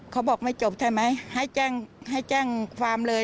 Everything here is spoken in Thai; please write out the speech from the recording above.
เขาบอกไม่จบใช่ไหมให้แจ้งความเลย